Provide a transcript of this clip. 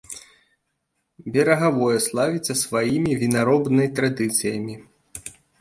Берагавое славіцца сваімі вінаробнай традыцыямі.